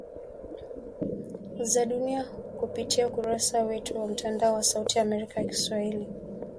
za dunia kupitia ukurasa wetu wa mtandao wa sauti ya Amerika ya kiswahili